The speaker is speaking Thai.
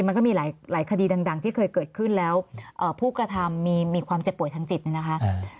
มันก็มีหลายคดีดังที่เคยเกิดขึ้นแล้วผู้กระทำมีความเจ็บป่วยทางจิตเนี่ยนะคะ